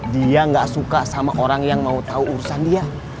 dia gak suka sama orang yang mau tahu urusan dia